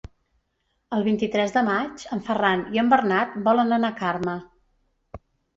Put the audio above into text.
El vint-i-tres de maig en Ferran i en Bernat volen anar a Carme.